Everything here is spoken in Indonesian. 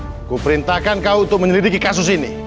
aku perintahkan kau untuk menyelidiki kasus ini